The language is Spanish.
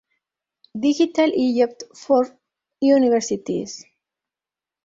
Digital Egypt for Universities